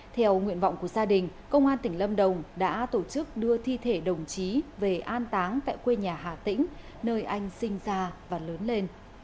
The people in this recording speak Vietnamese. theo nguyện vọng của gia đình công an tỉnh lâm đồng đã tổ chức đưa thi thể đồng chí về an táng tại quê nhà hà tĩnh nơi anh sinh ra và lớn lên